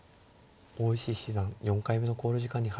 大石七段４回目の考慮時間に入りました。